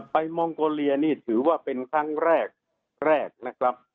มองโกเลียนี่ถือว่าเป็นครั้งแรกแรกนะครับ